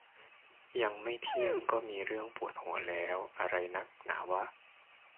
ยังไม่เที่ยงก็มีเรื่องปวดหัวแล้ว อะไรนักหนาวะ